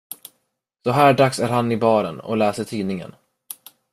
Så här dags är han i baren, och läser tidningen.